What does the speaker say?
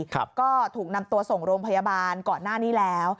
ก็ถูกนำตัวส่งโรงพยาบาลก่อนหน้านี้แล้ว